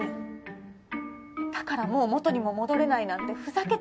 だからもう元にも戻れないなんてふざけてる。